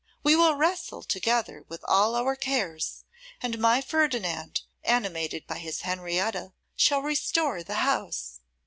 We will wrestle together with all our cares; and my Ferdinand, animated by his Henrietta, shall restore the house.